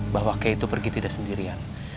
bahwa kay itu pergi tidak sendirian